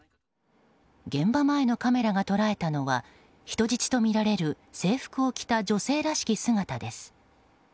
現場前のカメラが捉えたのは人質とみられる制服を着た女性らしき姿です。